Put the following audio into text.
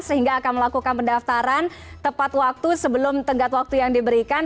sehingga akan melakukan pendaftaran tepat waktu sebelum tenggat waktu yang diberikan